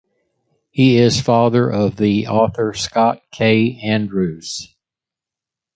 He is father of the author Scott K. Andrews.